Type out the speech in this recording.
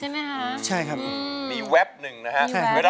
ร้องเข้าให้เร็ว